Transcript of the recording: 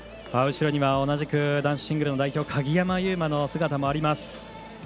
後ろには同じく男子シングルの代表鍵山優真の姿もあります。